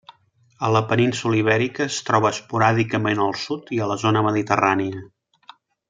A la península Ibèrica es troba esporàdicament al sud i a la zona mediterrània.